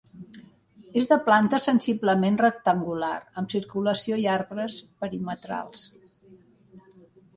És de planta sensiblement rectangular, amb circulació i arbres perimetrals.